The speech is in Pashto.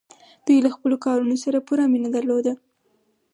دوی له خپلو کارونو سره پوره مینه درلوده.